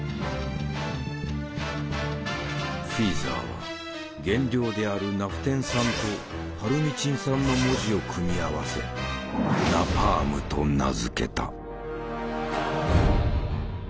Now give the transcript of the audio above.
フィーザーは原料であるナフテン酸とパルミチン酸の文字を組み合わせ「ナパーム」と名付けた。